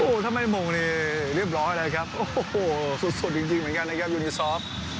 โอ้โหถ้าไม่มงนี่เรียบร้อยแล้วครับโอ้โหสุดจริงเหมือนกันนะครับยูนิซอฟ